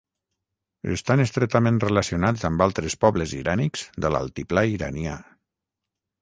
Estan estretament relacionats amb altres pobles irànics de l'altiplà iranià.